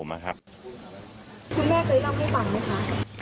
คุณแม่เคยเล่าให้ฟังไหมคะ